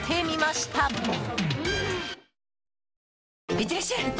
いってらっしゃい！